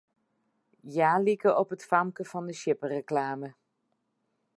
Hja like op it famke fan 'e sjippereklame.